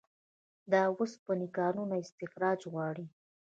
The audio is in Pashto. د اوسپنې کانونه استخراج غواړي